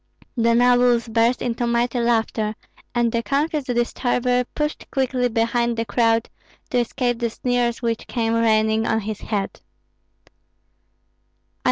The nobles burst into mighty laughter, and the confused disturber pushed quickly behind the crowd, to escape the sneers which came raining on his head.